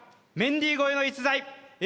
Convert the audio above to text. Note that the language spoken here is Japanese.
メンディー超えの逸材